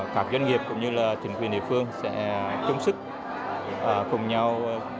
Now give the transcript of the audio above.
các doanh nghiệp cũng như là chính quyền địa phương sẽ chống sức cùng nhau